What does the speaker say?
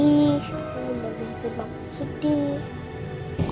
bisa aku mau bikin mama sedih